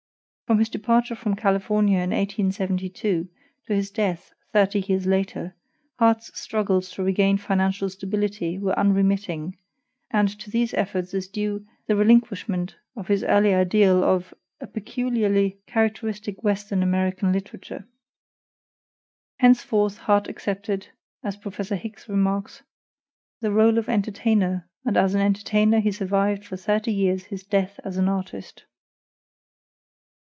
From his departure from California in 1872 to his death thirty years later, Harte's struggles to regain financial stability were unremitting: and to these efforts is due the relinquishment of his early ideal of "a peculiarly characteristic Western American literature." Henceforth Harte accepted, as Prof. Hicks remarks, "the role of entertainer, and as an entertainer he survived for thirty years his death as an artist."